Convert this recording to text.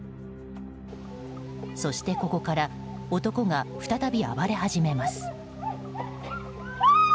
そして、ここから男が再び暴れ始めます。